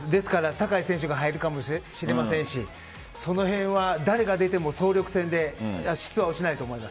酒井選手が入るかもしれませんしその辺は誰が出ても総力戦で質は落ちないと思います。